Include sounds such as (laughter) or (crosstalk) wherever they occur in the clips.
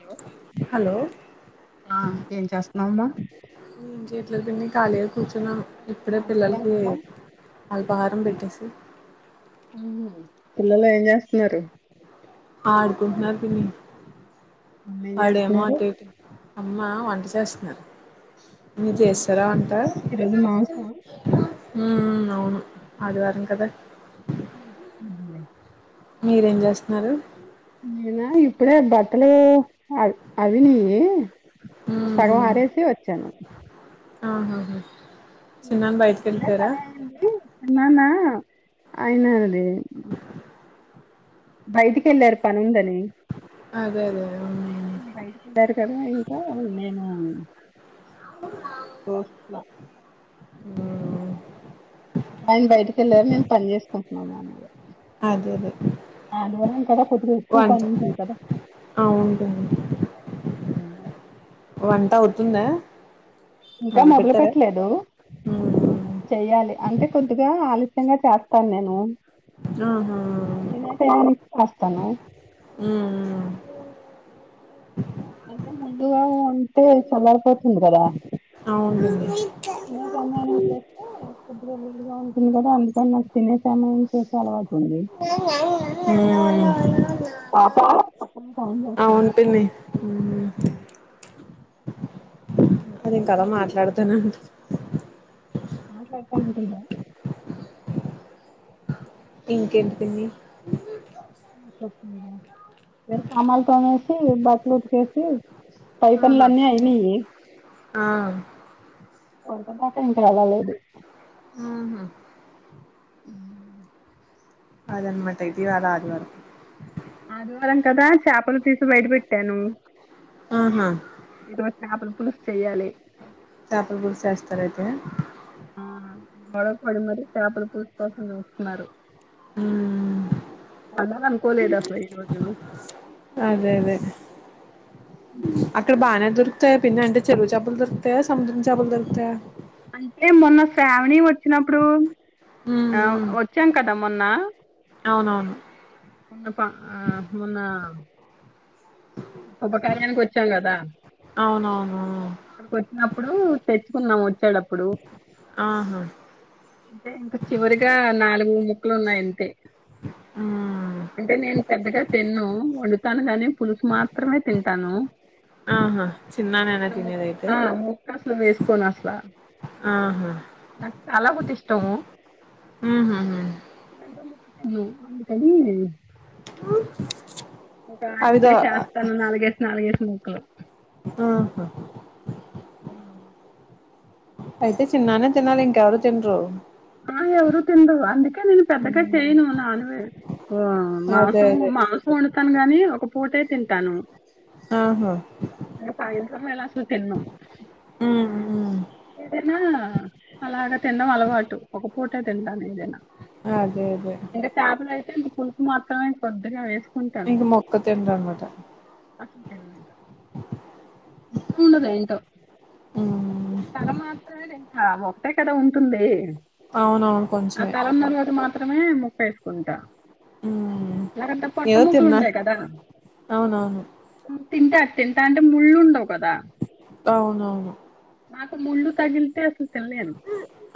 యో హలో ఆ ఏం చేస్తున్నావమ్మా ఏం చేయట్లేదు పిన్ని ఖాళీగా కూర్చున్నాం ఇప్పుడే ఆదివారం పిల్లలకి కదా అల్పహారం పెట్టేసి ఉహు పిల్లలు ఏం చేస్తున్నారు ఆడుకుంటున్నారు పిన్ని అమ్మ ఏం ఆడేమో చేస్తున్నారు అటు ఇటు అమ్మా వంట చేస్తున్నారు మీర్ చేసేసారా వంట ఈరోజు మాంసం ఉ ఉ అవును అదివారం కదా అదే మీరేం జేస్తున్నారు నేనా ఇప్పుడే బట్టలు అయి అవినయి సగం ఉమ్ ఆరేసి వచ్చాను ఆహాహా చిన్నాన్న బయటికి ఇప్పుడే వెళ్ళిపోయారా పని అయిపోయింది చిన్నాన్న అయిన అది బయటికి వెళ్ళారు పనుందని అదే అదే బయటికి వెళ్ళారు కదా ఇంకా నేను ఆయన బయటకెళ్ళారు మేము పని చేసుకుంటున్నాము అందరు అదే అదే వంట (unintelligible) అవును (unintelligible) ఇంగ వంట అవుతుందా ఇంకా మొదలు పెట్టలేదు ఉమ్ చెయ్యాలి అంటే కొద్దిగా ఆలస్యంగా చేస్తాను నేను ఆహా (unintelligible) చేస్తాను ఉ ఉ అంటే ముందుగా ఉంటే చల్లారి పోతుంది కదా అవును తినే టయానికి చేస్తే అప్పుడు వీలు గా ఉంటుంది కదా అందుకని నాకు తినే సమయం చేసే అలవాటు ఉంది ఉ పాప పక్కన వింటాంది బాగుంటుంది ఉ అదే కదా మాట్లాడుతున్నాను మాట్లాడుతా వింటుందా ఇంకేంటండి ఉ సామాన్లు తోమేసి బట్లు ఉతికేసి పై పనులు ఆహా అన్నీ అయినాయి ఆ వంట దాక ఇంకా ఎల్లలేదు ఉహు అదనమాట ఇది కాదు అది కాదు ఆదివారం కదా చేపలు తీసి బయట పెట్టాను ఆహా ఇప్పుడు చాపల పులుసు చెయ్యాలి చాపల పులుసు చేస్తార అయితే ఆ గొడవ పడి మరి చేపల పులుసు కోసం చూస్తున్నారు ఉమ్ అలా అనుకోలేదప్ప ఈరోజు అదే అదే అక్కడ బానే దొరుకుతాయా పిన్ని అంటే చెరువు చెపలు దొరుకుతాయా సముద్రం చెపలు దొరుకుతాయ అంటే మొన్న శ్రావణి వచ్చినప్పుడు ఉమ్ ఆ ఉమ్ వచ్చాం కదా మొన్న అవునవును మొన్న పా ఆ మొన్న ఉపకార్యానికి వచ్చాం కదా అవునవును ఇక్కడికి వచ్చినప్పుడు తెచ్చుకున్నాం వచ్చేడప్పుడు ఆహ అంటే ఇంక చివరిగా నాలుగు ముక్కలు ఉన్నాయి అంతే ఆ అంటే నేను పెద్దగా తిన్ను వండుతాను గాని పులుసు మా త్రమే తింటాను ఆహ చిన్నానేన తిినేది ఐతే కసలు వేస్ కొన్ అసలా ఆహ నాకు తల బోతి ఇష్టము ఊహుహు అందుకని ఇక అవిదో ఆయనకే చేస్తాను నాలుగేసు నాలుగేసి ముొక్కలు ఆహ అవు అయితే చిన్నానే తినాలి ఇంక ఎవరు తినరు ఆ ఎవరుూ తినరు అందుకే నేను పెద్దగా చేయను నాన్వెజ్ అదే మాంసం అదే మాంసం వండుతాను గాని ఒక పూటీ తింటాను ఆహ ఇక సాయంత్రం వేళ అసలు తిన్ను ఉ ఏదైనా అలాగ తినడం అలవాటు ఒక పూట తింటాను ఏదైనా అదే దె ఇంకా చేపలయితే ఇంక పులుసు మాత్రమే కొద్దిగా వేసుకుంటాను ఇంక మొక్క తినరనమాట అసల్ తిన నుండి ఇష్టం ఉండదు ఏంటో తల మాత్రమే తింటా ఒకటే కదా ఉంటుంది అవునవును ఆ కొంచమే తల వటికి మాత్రమే ముక్క వేసుకుంటా నారంత పొట్ట ఏదో ముక్కలు తిన్నా ఉంటాయి కదా అవునవును తింట తింటా అంటే ముళ్ళుండవు కదా అవునవును నాకు ముళ్లు తగిలితే అసలు తిల్లేను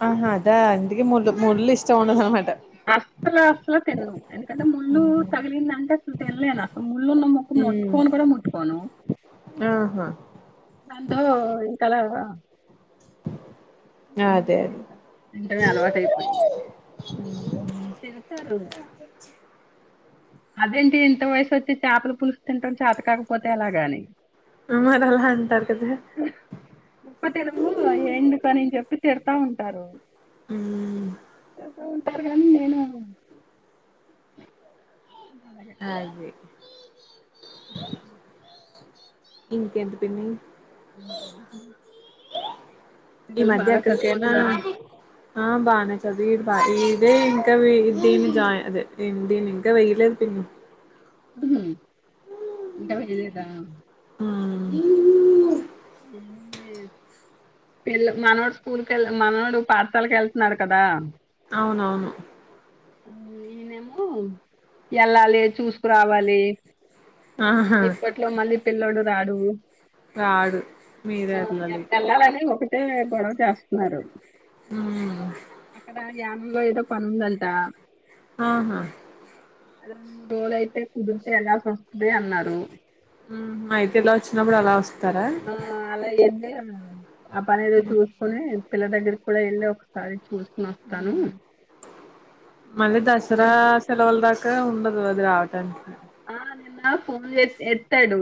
ఆహ అదా ఇంతకి ముళ్ ముళ్లు ఇష్టం ఉండదనమాట అస్సలు అస్సలు తిన్ను ఎందుకంటే ముళ్ళు ఉమ్ తగిలిందంటే అసలు తెన్లేను అసలు ముళ్ళున్నము క్క ముట్కోను కూడ ముట్టుకోను ఆహ దాంతో ఇంక లా అదే అవున్ అదే తింట తింటమే అలవాట అయిపోయింది తింటారు అదేంటి ఇంత వయసు వచ్చి చేపలు పులుసు తింటం చేత కాకపోతే ఎలాగని మరలా అంటారు కదా ముక్క తినవు ఎండుకని చెప్పి తిడతా ఉంటారు మ్మ్ ఉంటారు గ అలాగే అది మ్మ్మ్మ్ ఇంకేంది పిన్ని మ్మ్మ్మ్ ఈ మధ్య అక్కడికేనా ఆ బాగానే చదువు ఇ బా ఇదే ఇంకా దీని జాయి అదే ఎం దీన్ని ఇంకా వెయ్యలేద్ పిన్ని మ్ ఇంకా వేయలేదా మ్మ్ ఎ పిల్ మనువడు స్కూల్ కేళ్ మనువోడు పాఠశాలకు వెళ్తున్నాడు కదా అవునవును ఈనేమో వెళ్లాలి చూసుకురావాలి ఆహా ఇప్పట్లో మళ్ళీ పిల్లడు రాడు రాడు మీరే మ్ వెళ్ళాలి ఎళ్ళాలని ఒకటే గొడవ చేస్తున్నారు మ్ ఇ యాప్ లో ఏదో పనుందంటా ఆహా రెండు మూడు రోజులు అయితే కుదిరితే ఎలాసి వస్తయి అన్నారు మ్ అయితే ఇలా వచ్చినప్పుడు అలా వస్తారా ఆ అలా అయితే ఆ పనేదో చూసుకొని పిల్ల దగ్గరకి కూడా వెళ్ళి ఒకసారి చూసుకోని వస్తాను మళ్ళీ దసరా సెలవులు దాకా ఉండదు అది రావటానికి ఆ నిన్న ఫోన్ చే ఎత్తాడు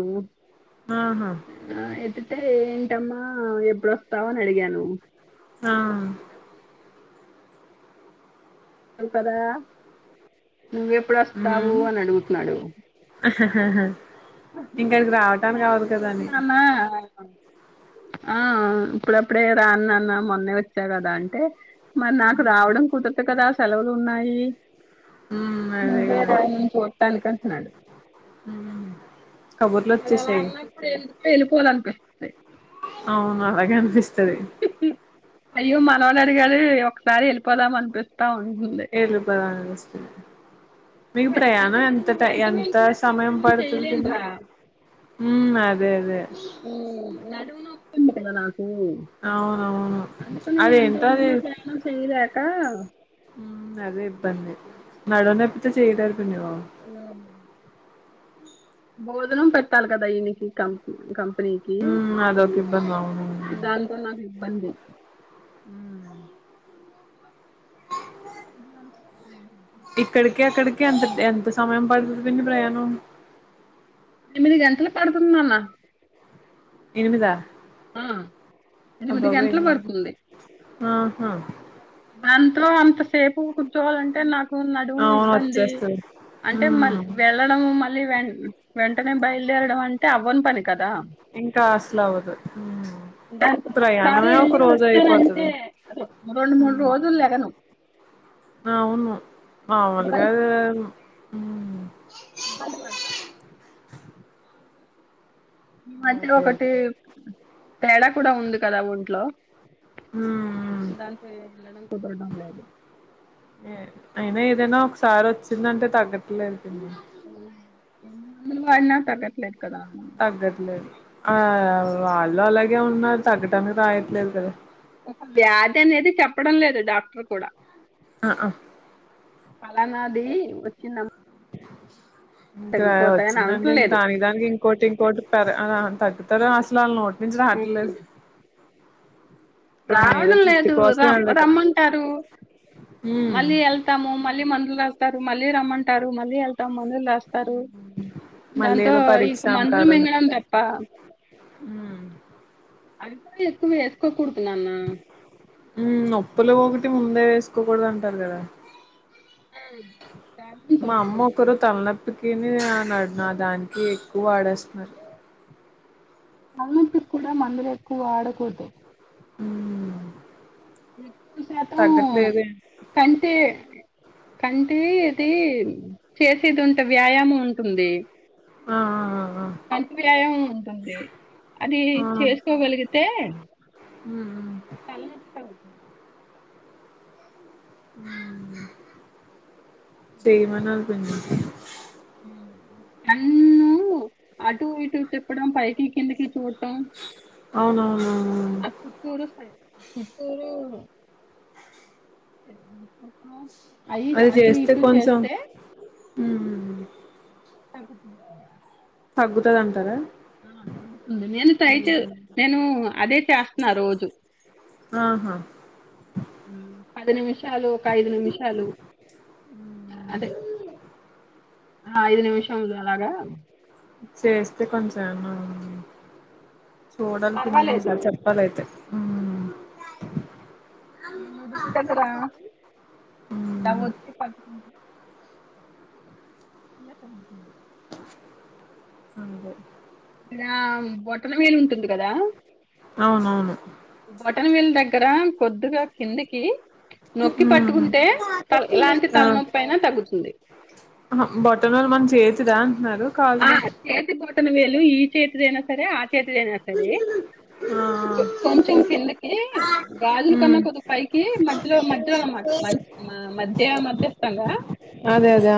ఆహా ఆ ఎత్తితే ఏంటమ్మా ఎప్పుడుొస్తావని అడిగాను ఆా వు కదా నువ్వెప్పుడు వస్తావు అని అడుగుతున్నాడు ఇక్కడికి రావటానికి కావదు కదా అని నాన్న ఆ ఇప్పుడప్పుడే రాన్నాన్న మొన్నే వచ్చాను కదా అంటే మరి నాకు రావడం కుదరదు కదా సెలవులు ఉన్నాయి మ్ నువ్వే రా ఎన్ చుట్టనికంటున్నాడు మ్మ్ కబుర్లు వాళ్ళు అలా వచ్చేసాయి ఉన్నప్పుడు ఎమ్ వెళ్ళిపోవాలన్ప్ అవును అలాగే అనిపిస్తది అయ్యో మనవడు అడిగాడు ఒకసారి వెళ్ళిపోదాం అనిపిస్తా ఉంటుంది ఏళ్ళుపదఞ్చ్ మీకు ప్రయాణం ఎంత ట ఎంత సమయం పడుతుంది మ్ అదే అదే మ్ నడువు నొప్పి ఉంది రా నాకు అవునవును అందుకనే అంత అదేంటో అది విన ప్రయాణం చేయలేక అదే ఇబ్బంది నడువనొప్పితో చేయలేారు కదా ఆ బోధనం పెట్టాలి కదా ఈయకి కం కంపెనీకి మ్మ్ అదొక ఇబ్బంది అవును దాంతో నాకు ఇబ్బంది మ్ ఇక్కడక అక్కడికి ఎంత ఎంత సమయం పడుతుంది ప్రయానం ఎనిమిది గంటలు పడుతుంది నాన ఎనిమిద ఆ ఎనిమిది గంటలు పడుతుంది ఆహా అంతో అంత సే పు కూర్చోవాలంటే నాకు నడుము అవును ఇబ్బంది వచ్చేస్తది అంటే మ హ్మ్ వె ళ్లడము మళ్ళీ వె వెంటనే బయలుదేరడం అంటే అవ్వని పని కదా ఇంకా అసలు అవ్వదు ఉమ్మ్ ప్రయాణమే ఒకరోజు అయిపోతది రెండు మూడు రోజులు లెగను ఆ అవును మామూలుగా అదేను ఉమ్మ్ ఇబ్బంది పడ్తాను ఈ మధ్యలో అదే ఒకటి అదే తేడా కూడా ఉంది కదా ఒంట్లో హ్మ్ హ్మ్. దానికే ఎళ్ళడం కుదరడం లేదు ఏ అయినా ఏదైనా ఒకసారి వచ్చిందంటే తగ్గట్లేదు పిన్ని ఎన్ని మందులు వాడిన తగ్గట్లేదు కదా అని తగ్గట్లేదు ఆ వాళ్ళు అలాగే ఉన్నారు తగ్గటానికి రాయట్లేదు కదా ఒక వ్యాధి అనేది చెప్పడం లేదు డాక్టర్ కూడా అ ఆ పలానాది వచ్చిందమ్మ ఇంతా తగ్గిపోతాయని వచ్చిందండి ఇంకా అనట్లేదు దానికి దానికి ఇంకోటి ఇంకోటి పెర్ ఆ తగ్గుతదా అసలు వాళ్ళ నోటి నుంచి రావట్లేదు మనం ఏదో రావడం తృప్తి లేదు కోసం రమ్ వెళ్ళటం రమ్మంటారు ఉమ్ మళ్ళీ ఎ ళ్తాము మళ్ళీ మందులు రాస్తారు మళ్ళీ రమ్మంటారు మళ్ళీ ఎళ్తాము మందులు రాస్తారు మళ్ళీ దాంతో ఏదో ఇంక మందులు మింగడం తప్ప ఉమ్మ్ అది కూడా ఎక్కువ ఏసుకోకూడదు నాన్న ఉమ్మ్ నొప్పులు ఒకటి ముందే ఏసుకోకూడదు అంటారు కదా ప్రాబ్లమ్స్ మా వస్తాయి అమ్మా కదా ఒకరు తల నొ ప్పికిని ఆడై నా దానికి ఎక్కువ వాడేస్తున్నారు తలనొప్పికి కూడా మందులు ఎక్కువ వాడకూడదు ఉమ్మ్ ఎక్కువ శా తగ్గట్లేదే కంటే కంటే ఇది చేసేది ఉంటే వ్యాయామం ఉంటుంది ఆ ఆ ఆ కంటివి వ్యాయామం ఉంటుంది అది చేసుకోగలిగితే ఉమ్మ్ ఉమ్మ్ తలనొప్పి తగ్గుతుంది ఉమ్మ్ చేయమనాలి పిన్ని ఉమ్మ్ కన్ను అటు ఇటు తిప్పడం పైకి కిందకి చూడటం అవునవునవును పుత్తూరు సైడ్ పుత్తూరు ఐదు అది అటు చేస్తే ఇటు కొంచెం చేస్తే ఉమ్ తగ్గుతుంది తగ్గుతది అంటారా అడుగుతుంది నేను టైటు నేను అదే చేస్తున్నా రోజు ఆహా ఉమ్ పది నిమిషాలు ఒకఐదు నిమిషాలు అదే ఆ ఐదు నిమిషాలు అలాగా చేస్తే కొంచెం ఏమన్నా చూడాలి తర్వాత పిన్ని ఒకసారి చెప్ ప్పాలి అయితే ఉమ్ నేను నుదిటి దగ్గర ఇట్టా ఉమ్ వత్తి పట్టుకుంటే ఇలా తగ్గింది అంతే నా బొట్టన వేలుంటుంది గదా ఆ అవును బొటన వేలు దగ్గర కొద్దిగా కిందికి నొక్కి ఉమ్ పట్టుకుంటే తల్ ఎలాంటి ఆ తలనొప్పయినా తగ్గుతుంది ఆహా బొటవేలు మన చేతిదా అన్నారు ఆ కాల్దా చేతి బొటనవేలు ఈ చేతిదైనా సరే ఆ చేతిదైనా సరే ఆ కొంచెం కిందికి గాజులు కన్నా ఉమ్ కొద్దిగ పైకి మధ్యలో మధ్యలో అన్నమాట మంచి ఆ మధ్య మధ్యస్థంగా అదే అదే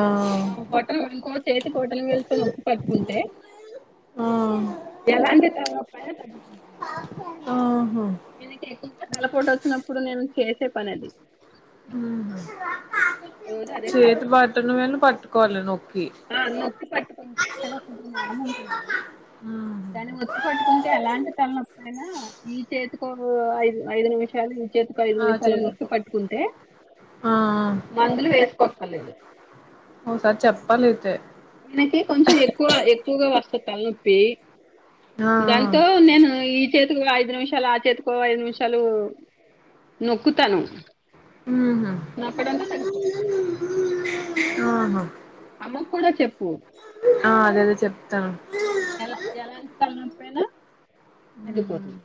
ఆ బొటనవేలు చేతి బొటనవేలు తో నొక్కి పట్టుకుంటే ఆ ఎలాంటి తలనొప్పైనా తగ్గిపోతుంది ఆహా నేనింక ఎక్కువగా తలపోటొచ్చినప్పుడు నేను చేసే పనది ఉమ్ హు రోజు అదే చేతి చేస్తాను బొటనవేలును పట్టుకోవాలి నొక్కి ఆ నొక్కి పట్టుకుంటే అక్కడ ఒక నరం ఉంటుంది ఆ దాన్ని ఒత్తిపట్టుకుంటే ఎలాంటి తలనొప్పయినా ఈ చేతికో ఐదు ఐదు నిమిషాలు ఈ చేతిక్ ఒక ఐదు ఆ నిమిషాలు చేదు నొక్కి పట్టుకుంటే ఆ మందులు వేసుకోక్కర్లేదు ఓసారి చెప్పాలైతే మనకి కొంచెం ఎక్కువ ఎక్కువగా వస్తది తలనొప్పి ఆ దాంతో నేను ఈ చేతికు ఐదు నిమిషాలు ఆ చేతికో ఐదు నిమిషాలు నొక్కుతాను ఉహు నొక్కడంతో తగ్గిపోతుంది ఆహా అమ్మక్కూడా చెప్పు ఆ అదదే చెప్తాను ఎలా ఎలాంటి తలనొప్పైనా ఉమ్ తగ్గిపోతుంది